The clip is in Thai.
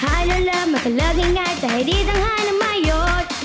หายเร็วมันก็เลิกง่ายแต่ให้ดีทั้งหายแล้วไม่หยด